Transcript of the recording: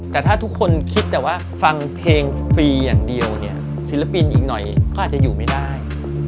แต่ถ้าทุกคนคิดแต่ว่าฟังเพลงฟรีอย่างเดียวเนี่ยศิลปินอีกหน่อยก็อาจจะอยู่ไม่ได้